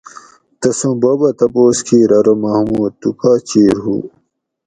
تسوں بوبہ تپوس کیر ارو محمود تو کا چیر ہوُ